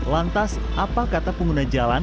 lantas apa kata pengguna jalan